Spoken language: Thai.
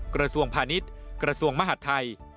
กระทรวงพาณิชย์กระทรวงมหาดไทย